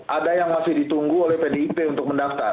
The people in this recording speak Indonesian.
ada yang masih ditunggu oleh pdip untuk mendaftar